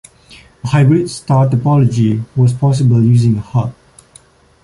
A hybrid star topology was possible using a hub.